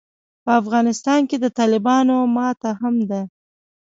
په افغانستان کې د طالبانو ماته هم ده.